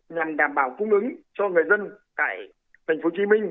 nhằm đảm bảo cung ứng cho người dân tại tp hcm